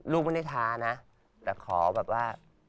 ลูกไม่ได้ท้านะแต่ขอแบบว่า